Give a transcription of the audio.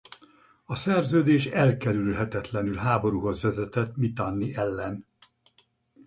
A szerződés elkerülhetetlenül háborúhoz vezetett Mitanni ellen.